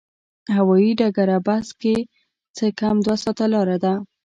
هوایي ډګره بس کې څه کم دوه ساعته لاره ده.